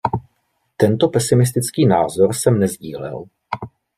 Tento pesimistický názor jsem nesdílel.